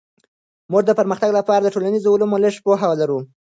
موږ د پرمختګ لپاره د ټولنيزو علومو لږه پوهه لرو.